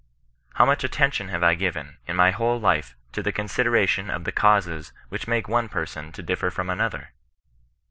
How much attention have I given, in my whole life, to the consideration of the causes which make one person to differ from another